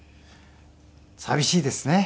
寂しいですね。